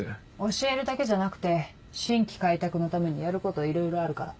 教えるだけじゃなくて新規開拓のためにやることいろいろあるから。